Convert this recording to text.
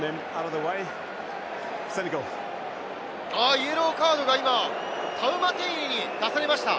イエローカードが今、タウマテイネに出されました。